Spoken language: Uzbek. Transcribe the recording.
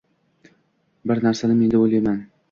Bir narsani menda o‘ylayman.